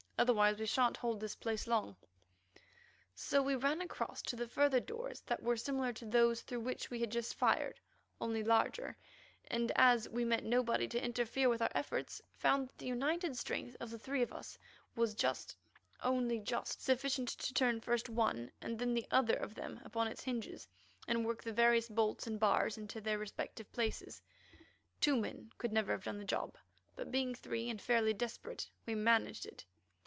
Otherwise we shan't hold this place long." So we ran across to the further doors that were similar to those through which we had just fired, only larger, and as we met nobody to interfere with our efforts, found that the united strength of the three of us was just, only just, sufficient to turn first one and then the other of them upon its hinges and work the various bolts and bars into their respective places. Two men could never have done the job, but being three and fairly desperate we managed it.